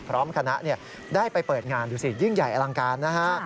พร้อมคณะได้ไปเปิดงานดูสิยิ่งใหญ่อลังการนะฮะ